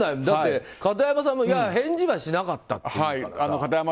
だって、片山さんも返事はしなかったっていうから。